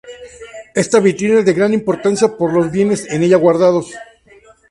Esta vitrina es de gran importancia por los bienes en ella guardados.